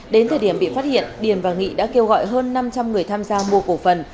đến thời điểm bị phát hiện điền và nghị đã kêu gọi hơn năm trăm linh người tham gia mua cổ phần